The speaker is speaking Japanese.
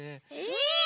え⁉